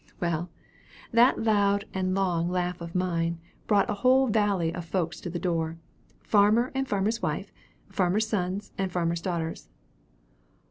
"Well, that loud and long laugh of mine, brought a whole volley of folks to the door farmer, and farmer's wife, farmer's sons, and farmer's daughters.